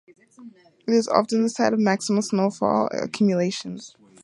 It is often the site for maximum snowfall accumulations.